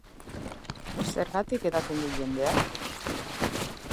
Zergatik edaten du jendeak?